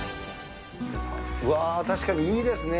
うわー、確かにいいですね。